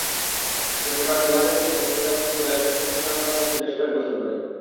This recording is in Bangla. চট্টগ্রামের দোহাজারী থেকে কক্সবাজার পর্যন্ত রেলপথ সম্প্রসারণের কথা হচ্ছে বেশ কয়েক বছর ধরে।